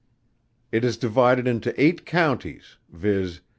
It is divided into eight Counties, viz.